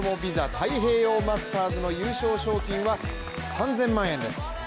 太平洋マスターズの優勝賞金は３０００万円です